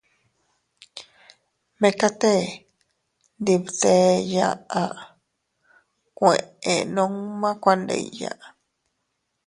Mekatee ndi btee yaʼa kueʼe nunma kuandilla.